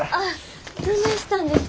どないしたんですか？